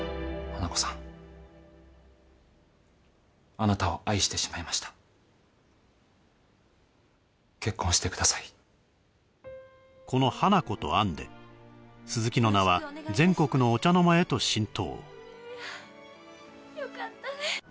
あなたを愛してしまいました結婚してくださいこの「花子とアン」で鈴木の名は全国のお茶の間へと浸透・よかったね